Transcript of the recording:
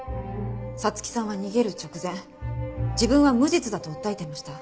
彩月さんは逃げる直前自分は無実だと訴えていました。